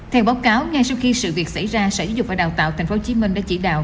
theo báo cáo ngay sau khi sự việc xảy ra sở giáo dục và đào tạo tp hcm đã chỉ đạo